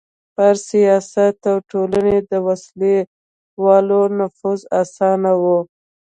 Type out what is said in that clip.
پر سیاست او ټولنې د وسله والو نفوذ اسانه و.